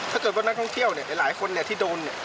ถ้าเกิดว่านักท่องเที่ยวหลายคนที่โดน